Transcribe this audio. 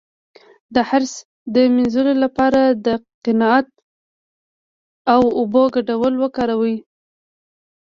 د حرص د مینځلو لپاره د قناعت او اوبو ګډول وکاروئ